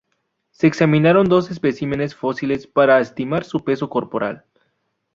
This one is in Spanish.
Se examinaron dos especímenes fósiles para estimar su peso corporal.